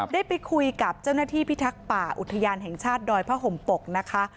ได้ไปคุยกับเจ้าหน้าที่พิทักษ์ป่าอุทยานแห่งชาติดอยผ้าห่มปกนะคะ